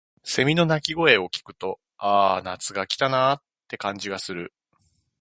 蝉の鳴き声を聞くと、「ああ、夏が来たな」って感じがする。